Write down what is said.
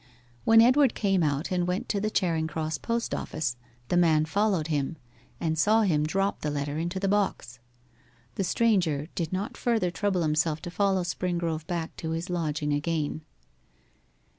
When Edward came out and went to the Charing Cross post office, the man followed him and saw him drop the letter into the box. The stranger did not further trouble himself to follow Springrove back to his lodging again.